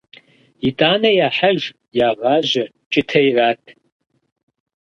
ИтӀанэ яхьэж, ягъажьэ, кӀытэ ират.